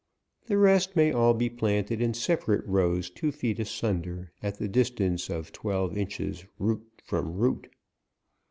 The rest may all be planted in sepa rate rows two feet asunder, at the distance oi twelve inches root from root.